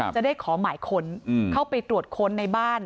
จะได้ขอหมายค้นเข้าไปตรวจค้นในบ้าน